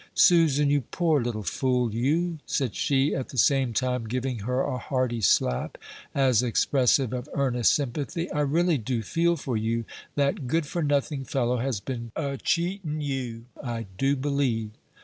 "Susan, you poor little fool, you," said she, at the same time giving her a hearty slap, as expressive of earnest sympathy, "I really do feel for you; that good for nothing fellow has been a cheatin' you, I do believe."